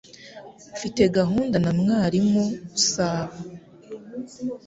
Mfite gahunda na mwarimu saa